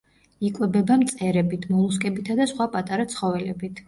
იკვებება მწერებით, მოლუსკებითა და სხვა პატარა ცხოველებით.